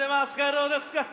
どうですか？